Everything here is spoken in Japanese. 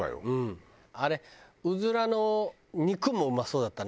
あれうずらの肉もうまそうだったな